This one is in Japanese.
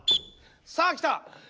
さあきた！